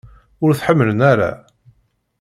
Ur t-ḥemmlen ara?